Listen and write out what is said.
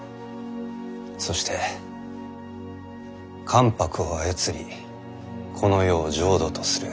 そして関白を操りこの世を浄土とする。